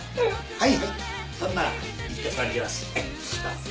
はい。